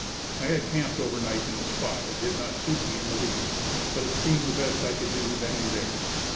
I had camped over night in a spot that did not suit me in the least, but it seemed the best I could do then and there.